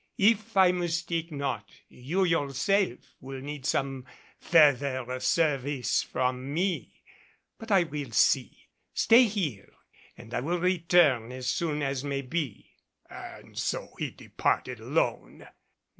If I mistake not, you yourself will need some further service from me. But I will see. Stay here and I will return as soon as may be." And so he departed alone.